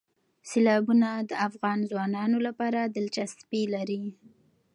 سیلابونه د افغان ځوانانو لپاره دلچسپي لري.